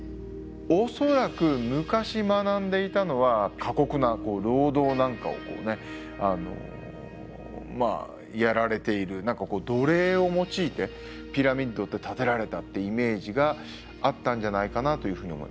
恐らく昔学んでいたのは過酷な労働なんかをやられている奴隷を用いてピラミッドって建てられたってイメージがあったんじゃないかなというふうに思います。